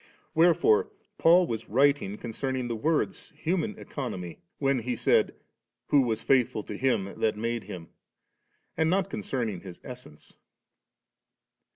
Wherefore Paul was writing con cerning the Word's human Economy, when he said, 'Who was foithful to Him that made Him,' and not concerning His Essence.